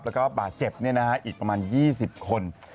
แล้วก็บาดเจ็บอีกประมาณ๒๐คน